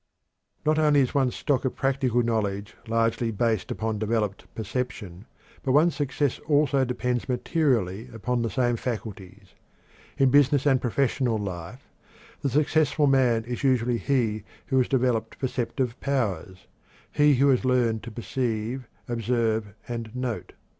Not only is one's stock of practical knowledge largely based upon developed perception, but one's success also depends materially upon the same faculties. In business and professional life the successful man is usually he who has developed perceptive powers; he who has learned to perceive, observe, and note.